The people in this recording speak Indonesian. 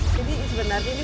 jadi sebenarnya ini